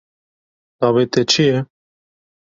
navê te çi ye